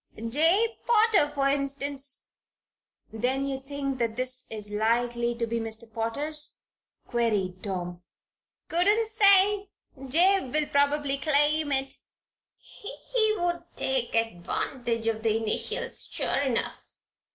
"Jabe Potter, for instance." "Then you think this is likely to be Mr. Potter's?" queried Tom. "Couldn't say. Jabe will probably claim it. He would take advantage of the initials, sure enough."